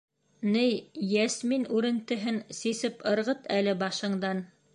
Ней, йәсмин үрентеһен сисеп ырғыт әле башыңдан.